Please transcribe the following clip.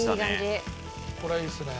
これはいいですね。